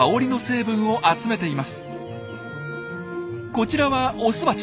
こちらはオスバチ。